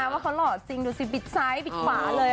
ว่าเขาหล่อจริงดูสิบิดซ้ายบิดขวาเลย